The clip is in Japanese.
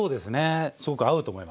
すごく合うと思います。